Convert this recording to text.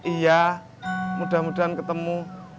iya mudah mudahan ketemu